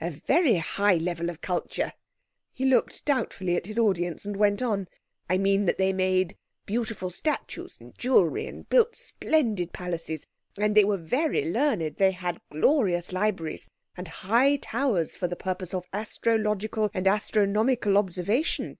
A very high level of culture," he looked doubtfully at his audience and went on, "I mean that they made beautiful statues and jewellery, and built splendid palaces. And they were very learned—they had glorious libraries and high towers for the purpose of astrological and astronomical observation."